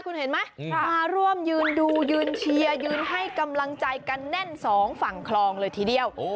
คุณเห็นไหมมาร่วมยืนดูยืนเชียร์ยืนให้กำลังใจกันแน่นสองฝั่งคลองเลยทีเดียว